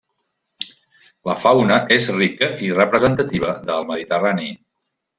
La fauna és rica i representativa del mediterrani.